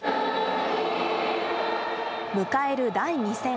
迎える第２戦。